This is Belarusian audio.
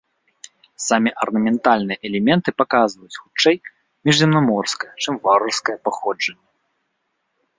Самі арнаментальныя элементы паказваюць, хутчэй, міжземнаморскае, чым варварскае паходжанне.